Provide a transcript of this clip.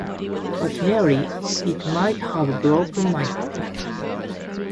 But, Mary, I might have broken my neck.